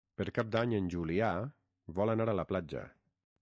Per Cap d'Any en Julià vol anar a la platja.